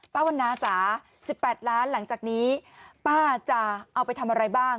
วันนาจ๋า๑๘ล้านหลังจากนี้ป้าจะเอาไปทำอะไรบ้าง